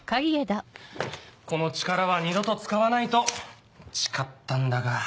この力は二度と使わないと誓ったんだが。